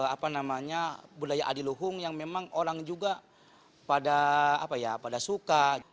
apa namanya budaya adiluhung yang memang orang juga pada suka